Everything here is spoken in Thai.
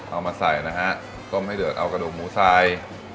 เอามาใส่นะฮะต้มให้เดือดเอากระดูกหมูทราย